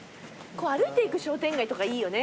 歩いていく商店街とかいいよね。